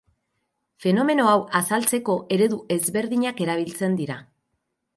Fenomeno hau azaltzeko eredu ezberdinak erabiltzen dira.